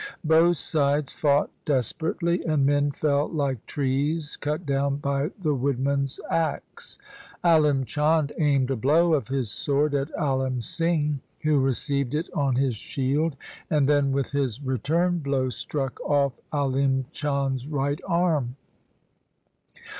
Both sides fought despe rately; and men fell like trees cut down by the woodman's axe. Alim Chand aimed a blow of his sword at Alim Singh, who received it on his shield, and then with his return blow struck off Alim Chand' s right arm.